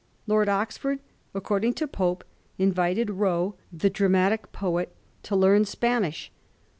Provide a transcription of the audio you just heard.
Lord Oxford, according to Pope, invited Rowe, the dramatic poet, to learn Spanish.